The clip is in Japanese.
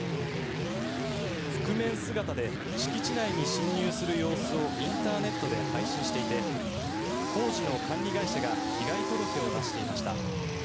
覆面姿で敷地内に侵入する様子をインターネットで配信していて工事の管理会社が被害届を出していました。